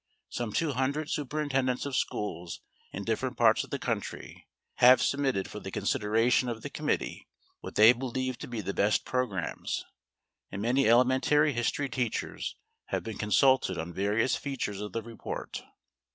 Some two hundred superintendents of schools in different parts of the country have submitted for the consideration of the committee what they believed to be the best programs, and many elementary history teachers have been consulted on various features of the report.